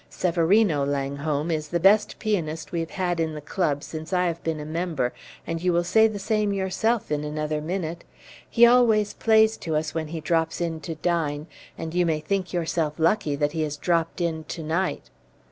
Severino, Langholm, is the best pianist we have had in the club since I have been a member, and you will say the same yourself in another minute. He always plays to us when he drops in to dine, and you may think yourself lucky that he has dropped in to night."